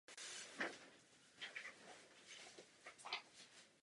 V té době byly přijímány pouze po konzultaci s Parlamentem.